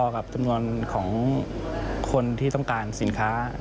กับจำนวนของคนที่ต้องการสินค้า